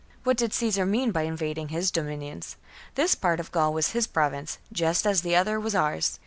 What did Caesar mean by invading his dominions? This part of Gaul was his province, just as the other was ours.